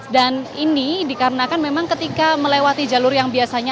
dan ini dikarenakan memang ketika melewati jalur yang biasanya